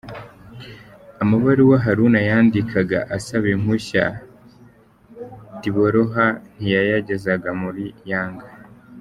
Amabaruwa Haruna yandikaga asaba impushya , Tiboroha ntiyayagezaga muri Yanga.